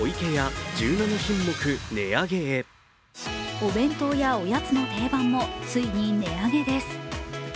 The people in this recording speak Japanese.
お弁当やおやつの定番もついに値上げです。